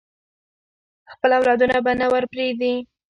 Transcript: خپل اولادونه به نه ورپریږدي.